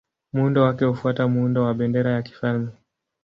Muundo wake hufuata muundo wa bendera ya kifalme.